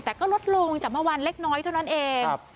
แต่ก็ลดลงจากเมื่อวานเล็กน้อยเท่านั้นเอง